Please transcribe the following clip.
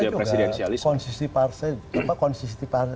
bukan soal kemudian presidensialisme